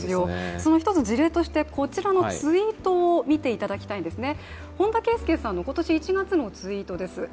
その一つ、事例としてこちらのツイートを見ていただきたいんですね。